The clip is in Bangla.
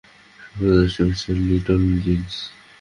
শুভ রাত্রি, মিঃ লিটলজিন্স।